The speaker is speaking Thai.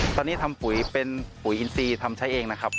ตอนนี้ทำปุ๋ยเป็นปุ๋ยอินซีทำใช้เองนะครับ